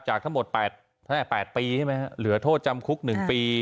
ทั้งหมด๘ปีใช่ไหมฮะเหลือโทษจำคุก๑ปี